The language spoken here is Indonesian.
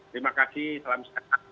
terima kasih salam sehat